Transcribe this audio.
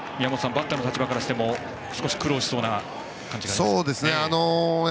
バッターの立場からしても少し苦労しそうな感じがありますね。